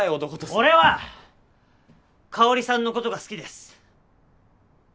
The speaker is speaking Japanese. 俺は香さんのことが好きです。